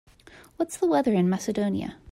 What's the weather in Macedonia